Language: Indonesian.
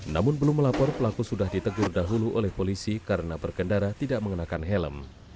namun belum melapor pelaku sudah ditegur dahulu oleh polisi karena berkendara tidak mengenakan helm